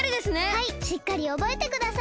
はいしっかりおぼえてください。